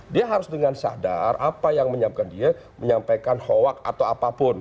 dia harus dengan sadar apa yang menyiapkan dia menyampaikan hoak atau apapun